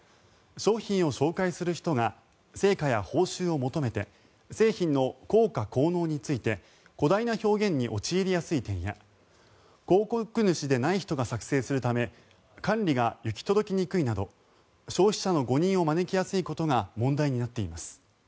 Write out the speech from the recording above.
商品を紹介する人が成果や報酬を求めて商品の効果・効能について誇大な表現に陥りやすい点や広告主でない人が作成するため管理が行き届きにくいなど消費者の誤認を招きやすいことが問題になっています。